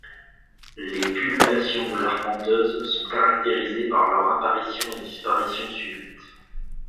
Les pullulations de l’arpenteuse sont caractérisées par leur apparition et disparition subites.